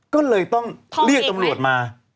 ก็เลยต้องเรียกตำรวจมา